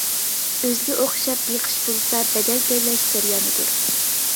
ئۆزىگە ئوخشاپ بېقىش بولسا بەدەل تۆلەش جەريانىدۇر.